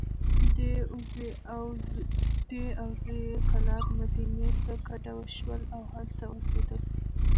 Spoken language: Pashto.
دی او زوی یې کلاب، مدینې ته کډه شول. او هلته اوسېدل.